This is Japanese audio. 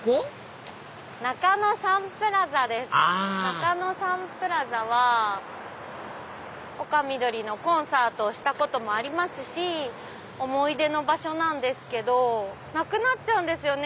中野サンプラザは丘みどりのコンサートをしたこともありますし思い出の場所なんですけどなくなっちゃうんですよね。